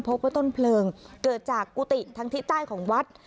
พบว่าต้นเพลิงเกิดจากกุฏิทางทิศใต้ของวัด